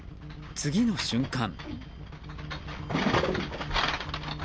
次の瞬間。